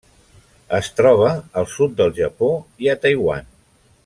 Es troba al sud del Japó i a Taiwan.